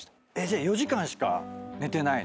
じゃあ４時間しか寝てないの？